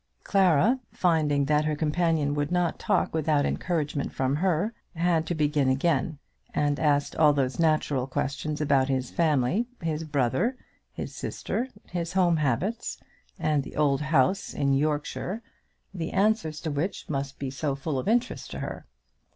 Clara, finding that her companion would not talk without encouragement from her, had to begin again, and asked all those natural questions about his family, his brother, his sister, his home habits, and the old house in Yorkshire, the answers to which must be so full of interest to her.